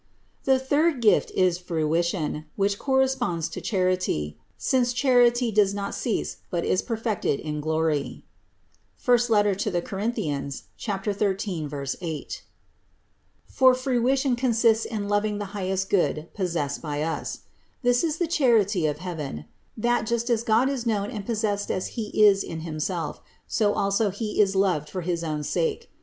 165. The third gift is fruition, which corresponds to charity, since charity does not cease but is perfected in glory (I Cor. 13, 8) ; for fruition consists in loving the highest Good possessed by us. This is the charity of heaven, that, just as God is known and possessed as He is in Himself, so also He is loved for his own sake.